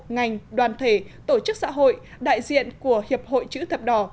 ngành đoàn thể tổ chức xã hội đại diện của hiệp hội chữ thập đỏ